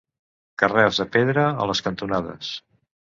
Carreus de pedra a les cantonades.